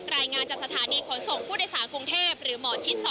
รายงานจากสถานีขนส่งผู้โดยสารกรุงเทพหรือหมอชิด๒